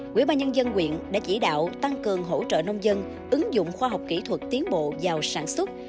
quỹ ba nhân dân quyện đã chỉ đạo tăng cường hỗ trợ nông dân ứng dụng khoa học kỹ thuật tiến bộ vào sản xuất